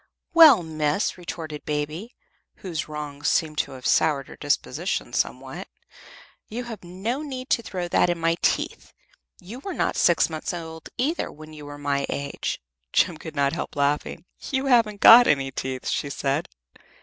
"Well, miss," retorted Baby, whose wrongs seemed to have soured her disposition somewhat, "you have no need to throw that in my teeth; you were not six months old, either, when you were my age." Jem could not help laughing. "You haven't got any teeth," she said.